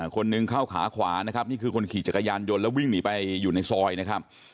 คนหนึ่งเข้าขาขวานะครับนี่คือคนขี่จักรยานยนต์แล้ววิ่งหนีไปอยู่ในซอยนะครับ